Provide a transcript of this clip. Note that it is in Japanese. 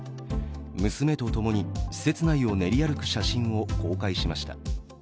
娘とともに施設内を練り歩く写真を公開しました。